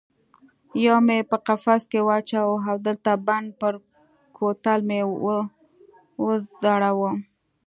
یو مې په قفس کې واچاوه او د لته بند پر کوتل مې وځړاوه.